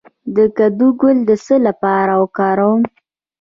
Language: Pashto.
د کدو ګل د څه لپاره وکاروم؟